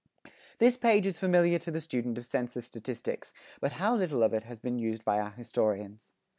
[11:2] This page is familiar to the student of census statistics, but how little of it has been used by our historians.